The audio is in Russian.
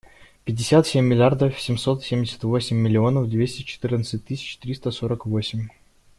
Пятьдесят семь миллиардов семьсот семьдесят восемь миллионов двести четырнадцать тысяч триста сорок восемь.